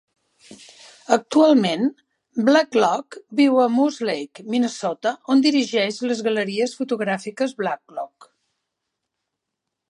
Actualment Blacklock viu a Moose Lake, Minnesota, on dirigeix les galeries fotogràfiques Blacklock.